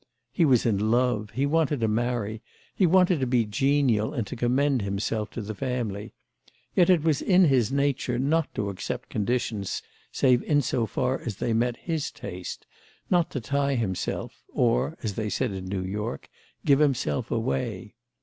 He was in love, he wanted to marry, he wanted to be genial and to commend himself to the family; yet it was in his nature not to accept conditions save in so far as they met his taste, not to tie himself or, as they said in New York, give himself away.